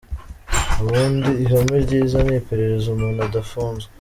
Ubundi ihame ryiza ni iperereza umuntu adafunzwe.